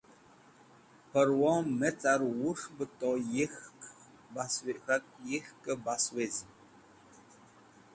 Pẽrwo me car wus̃h bẽ to yek̃hkẽ bas wezim.